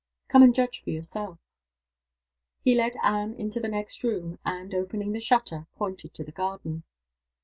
_. Come and judge for yourself." He led Anne into the next room; and, opening the shutter, pointed to the garden.